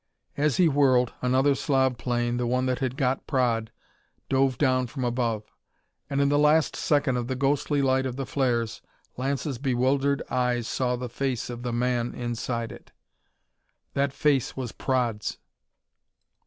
As he whirled, another Slav plane the one that had got Praed dove down from above. And, in the last second of the ghostly light of the flares, Lance's bewildered eyes saw the face of the man inside it. _That face was Praed's!